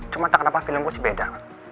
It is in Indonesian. cuman kenapa filmku sih beda